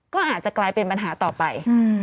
ก็อาจจะกลายเป็นปัญหาต่อไป